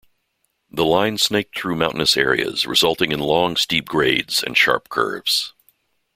The line snaked through mountainous areas, resulting in long steep grades and sharp curves.